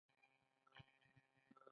خو د ټولنې رول پکې ډیر دی.